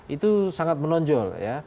itu sangat menonjol ya